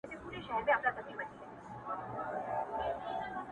حافظه يې له ذهن نه نه وځي,